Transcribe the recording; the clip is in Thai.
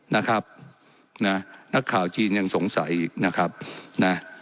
นะครับนะนักข่าวจีนยังสงสัยอีกนะครับนะ